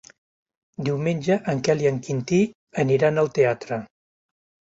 Diumenge en Quel i en Quintí aniran al teatre.